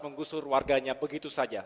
mengusur warganya begitu saja